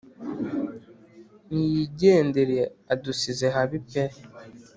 niyigendere adusize habi pee